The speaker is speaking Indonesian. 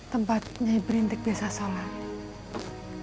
tempat nyai berintik biasa sholat